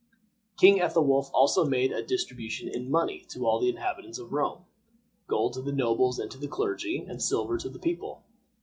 King Ethelwolf also made a distribution in money to all the inhabitants of Rome: gold to the nobles and to the clergy, and silver to the people.